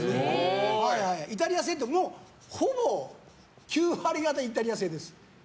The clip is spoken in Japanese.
イタリア製って、もうほぼ９割方イタリア製です。